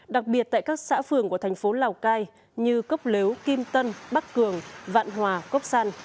đặc biệt tại các xã phường của thành phố lào cai như cốc lếu kim tân bắc cường vạn hòa cốc săn